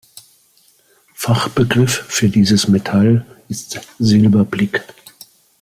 Fachbegriff für dieses Metall ist Silberblick.